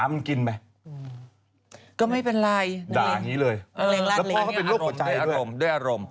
พ่อของผู้หญิง